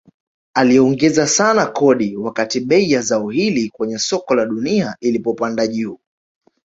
Aliongeza sana kodi wakati bei ya zao hili kwenye soko la dunia ilipopanda juu